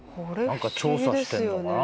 調査してんのかな？